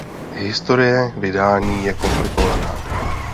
Historie vydání je komplikovaná.